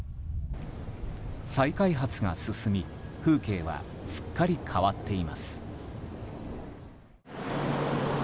再開発が進み風景はすっかり変わっています。